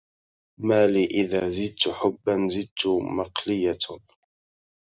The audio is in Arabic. مالي إذا زدت حبا زدت مقلية